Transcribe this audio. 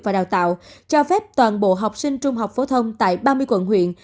và đào tạo cho phép toàn bộ học sinh trung học phổ thông tại ba mươi quận huyện